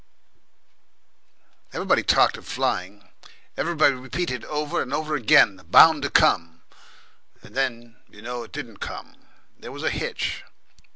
Everybody talked of flying, everybody repeated over and over again, "Bound to come," and then you know it didn't come. There was a hitch.